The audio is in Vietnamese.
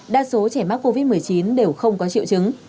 đa số trẻ mắc covid một mươi chín đều không có triệu chứng